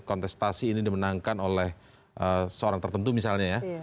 kontestasi ini dimenangkan oleh seorang tertentu misalnya ya